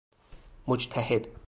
مجتهد